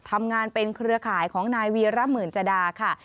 ทำงานเป็นเครือข่ายของนายวีระหมื่นจดาค่ะ